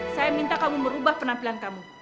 saya minta kamu merubah penampilan kamu